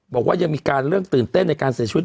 บอกว่ายังมีการเรื่องตื่นเต้นในการเสียชีวิต